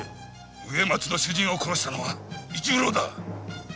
「植松」の主人を殺したのは松永だ！